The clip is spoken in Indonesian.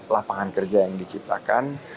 lapangan kerja yang diciptakan